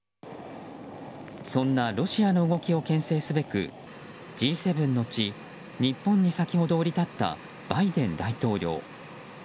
そんなロシアの動きを牽制すべくＧ７の地、日本に先ほど降り立ったバイデン大統領。